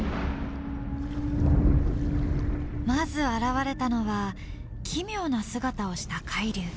まず現れたのは奇妙な姿をした海竜。